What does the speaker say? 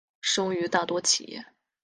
适用于大多企业。